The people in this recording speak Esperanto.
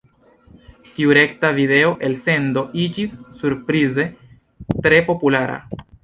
Tiu rekta video-elsendo iĝis surprize tre populara.